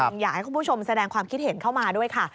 อยากให้คุณผู้ชมแสดงความคิดเห็นเข้ามาด้วยค่ะ